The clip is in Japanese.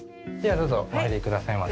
どうぞ、お入りくださいませ。